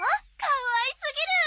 かわいすぎる！